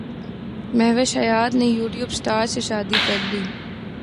مہوش حیات نے YouTube star سے شادی کرلی